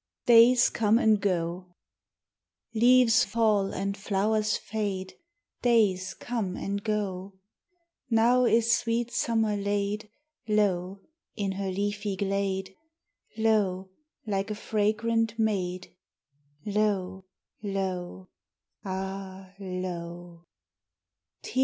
DAYS COME AND GO Leaves fall and flowers fade, Days come and go: Now is sweet Summer laid Low in her leafy glade, Low like a fragrant maid, Low, low, ah, low.